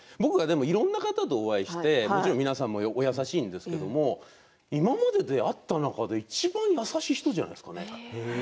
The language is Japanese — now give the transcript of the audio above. いろんな方とお会いしてもちろん皆さん優しんですけれども今まで会った中でいちばん優しい人じゃないですかね。